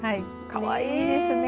かわいいですね。